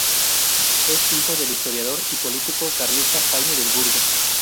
Es hijo del historiador y político carlista Jaime del Burgo.